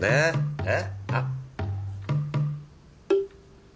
えっ？